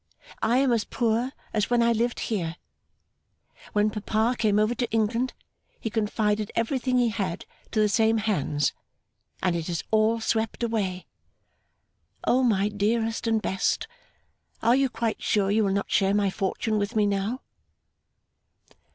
I am as poor as when I lived here. When papa came over to England, he confided everything he had to the same hands, and it is all swept away. O my dearest and best, are you quite sure you will not share my fortune with me now?